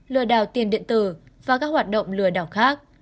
lừa đảo tiền điện tử và các hoạt động lừa đảo khác